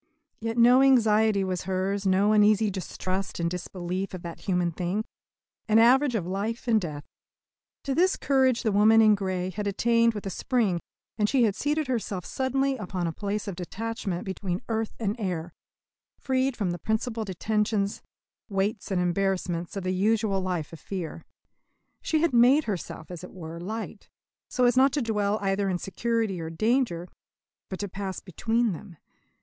Yet no anxiety was hers, no uneasy distrust and disbelief of that human thing an average of life and death. To this courage the woman in grey had attained with a spring, and she had seated herself suddenly upon a place of detachment between earth and air, freed from the principal detentions, weights, and embarrassments of the usual life of fear. She had made herself, as it were, light, so as not to dwell either in security or danger, but to pass between them.